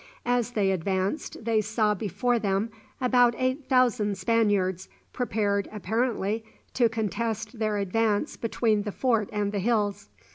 As they advanced, they saw before them about eight thousand Spaniards prepared apparently to contest their advance between the fort and the hills.